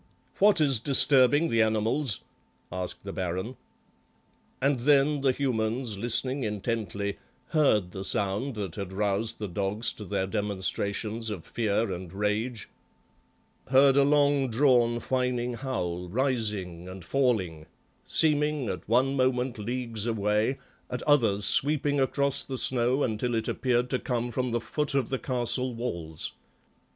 "What is disturbing the animals?" asked the Baron. And then the humans, listening intently, heard the sound that had roused the dogs to their demonstrations of fear and rage; heard a long drawn whining howl, rising and falling, seeming at one moment leagues away, at others sweeping across the snow until it appeared to come from the foot of the castle walls.